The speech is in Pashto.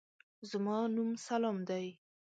زما نوم سلام دی.